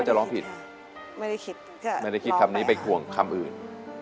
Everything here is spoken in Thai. สุดยอดมากคำเดียวเลย